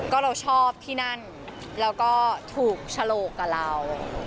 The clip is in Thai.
ก็เราชอบที่นั่นแล้วก็ถูกฉลกกับเรา